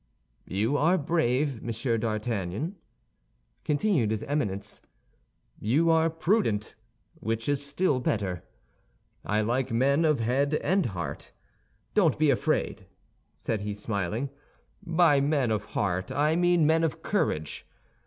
"You are brave, Monsieur d'Artagnan," continued his Eminence; "you are prudent, which is still better. I like men of head and heart. Don't be afraid," said he, smiling. "By men of heart I mean men of courage.